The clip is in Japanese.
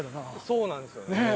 そうなんですよね。